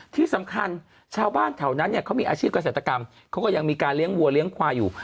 ที่สำคัญชาวบ้านแถวนั้นเนี่ยเขามีอาชีพเกษตรกรรมเขาก็ยังมีการเลี้ยงวัวเลี้ยงควายอยู่